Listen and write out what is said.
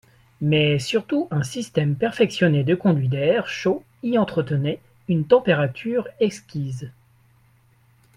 Mais surtout un système perfectionné de conduits d’air chaud y entretenait une température exquise.